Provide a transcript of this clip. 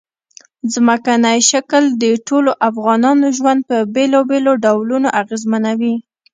ځمکنی شکل د ټولو افغانانو ژوند په بېلابېلو ډولونو اغېزمنوي.